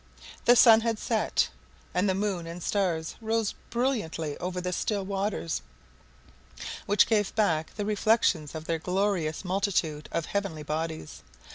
The sun had set, and the moon and stars rose brilliantly over the still waters, which gave back the reflections of their glorious multitude of heavenly bodies.